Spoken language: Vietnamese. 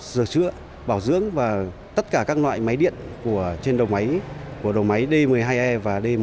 sửa chữa bảo dưỡng và tất cả các loại máy điện trên đầu máy của đầu máy d một mươi hai e và d một mươi chín e